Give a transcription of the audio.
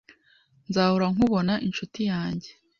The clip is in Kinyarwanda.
Nzahora nkubona inshuti yanjye.